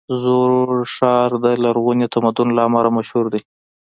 زوړ ښار د لرغوني تمدن له امله مشهور دی.